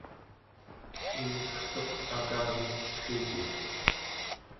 iingqertuq akagenqellriignek